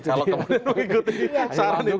kalau kemudian mengikuti saran yang